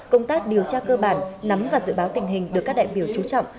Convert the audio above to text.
công tác điều tra cơ bản nắm và dự báo tình hình được các đại biểu chú trọng